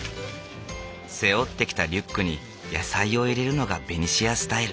背負ってきたリュックに野菜を入れるのがベニシアスタイル。